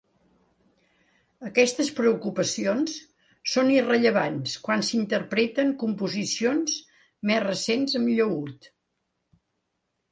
Aquestes preocupacions són irrellevants quan s'interpreten composicions més recents amb llaüt.